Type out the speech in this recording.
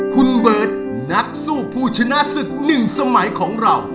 คุณเบิร์ตนักสู้ผู้ชนะศึก๑สมัยของเรา